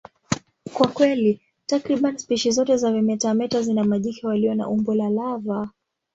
Kwa kweli, takriban spishi zote za vimetameta zina majike walio na umbo la lava.